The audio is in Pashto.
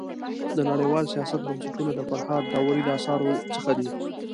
د نړيوال سیاست بنسټونه د فرهاد داوري د اثارو څخه دی.